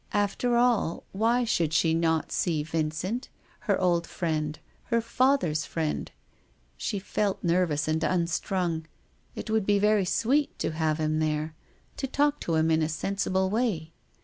After all, why should she not see him, her old friend, her father's friend ? She felt ner vous and unstrung ; it would be very sweet to have him there, to talk to him in a sensible way.